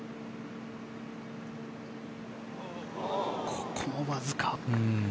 ここもわずか。